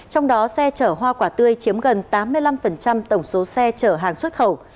trong đó xe chở hoa quả tươi chiếm gần tám mươi năm tổng số xe chở hàng xuất khẩu